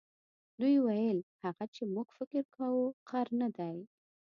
دوی ویل هغه چې موږ فکر کاوه غر نه دی.